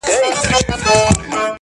د حمزه د شعر په هنداره کې